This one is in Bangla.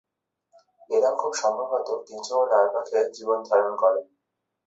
এরা খুব সম্ভবত কেঁচো ও লার্ভা খেয়ে জীবন ধারণ করে।